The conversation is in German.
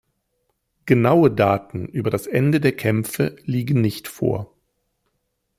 Genaue Daten über das Ende der Kämpfe liegen nicht vor.